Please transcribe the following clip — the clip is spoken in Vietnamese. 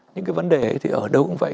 những cái vấn đề thì ở đâu cũng vậy